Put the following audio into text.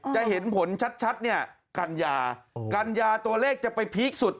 จะเห็นผลชัดเนี่ยกัญญากัญญาตัวเลขจะไปพีคสุด